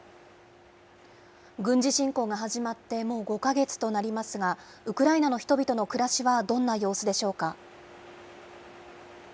軍事侵攻が始まってもう５か月となりますが、ウクライナの人々の暮らしはどんな様子でしょうか。